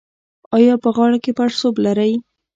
ایا په غاړه کې پړسوب لرئ؟